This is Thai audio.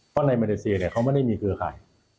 ก็ในมารีเซียเขาไม่ได้มีเครือข่าย